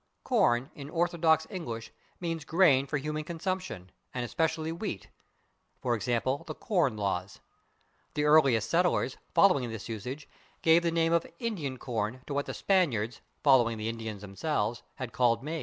/Corn/, in orthodox English, means grain for human consumption, and especially wheat, /e. g./, the /Corn/ Laws. The earliest settlers, following this usage, gave the name of /Indian corn/ to what the Spaniards, following the Indians themselves, had called /maíz